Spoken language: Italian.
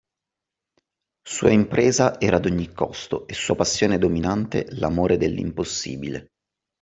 Sua impresa era ad ogni costo e sua passione dominante l’amore dell’impossibile.